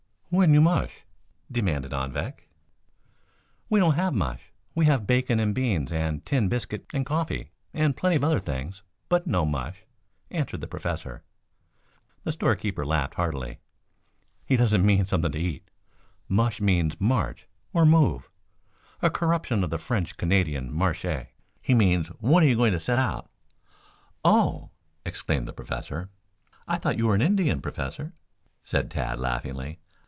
"When you mush?" demanded Anvik. "We don't have mush. We have bacon and beans, and tin biscuit and coffee, and plenty of other things, but no mush," answered the Professor. The store keeper laughed heartily. "He doesn't mean something to eat. Mush means march or move, a corruption of the French Canadian 'marché.' He means when are you going to set out." "Oh!" exclaimed the Professor. "I thought you were an Indian, Professor?" said Tad laughingly.